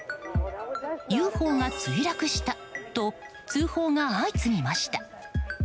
ＵＦＯが墜落したと通報が相次ぎました。